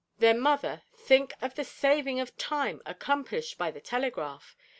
"Then, mother, think of the saving of time accomplished by the telegraph.